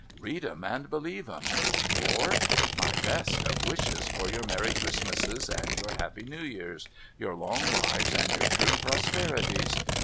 Read 'em and believe 'em. More ? My best of wishes for your merry Christmases and your happy New Years, your long lives and your true prosperities.